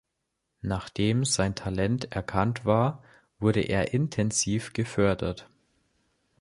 Nachdem sein Talent erkannt war, wurde er intensiv gefördert.